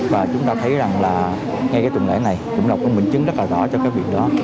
và chúng ta thấy rằng là ngay cái tuần lễ này cũng đọc các bệnh chứng rất là rõ cho các việc đó